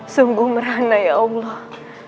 sungguh merana ya allah